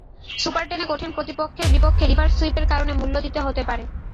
Super টেনে কঠিন প্রতিপক্ষের বিপক্ষে রিভার্স সুইপের কারণে মূল্য দিতে হতে পারে।